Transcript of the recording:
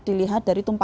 dilihat dari pemerintah